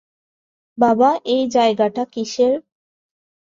বাবা, এই জায়গাটা কিসের?